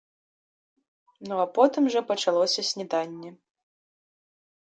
Ну, а потым жа пачалося снеданне.